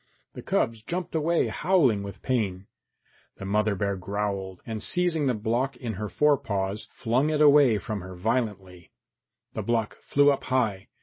The cubs jumped away, howling with pain. The mother bear growled, and seizing the block in her fore paws, flung it away from her violently. The block flew up high.